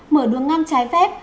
mở đường ngang trái phép